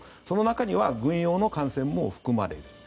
その中には軍用の艦船も含まれる。